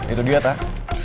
itu dia rah